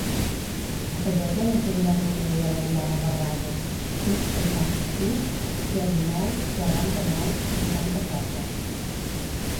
Afegeix a l'agenda el número de l'Ariana Barrado: sis, seixanta-sis, zero, nou, quaranta-nou, seixanta-quatre.